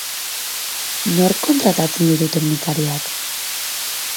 Nork kontratatzen ditu teknikariak?